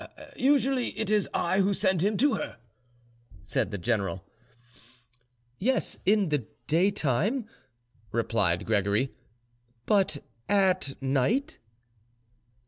"Usually it is I who send him to her," said the general. "Yes, in the daytime," replied Gregory, "but at night?"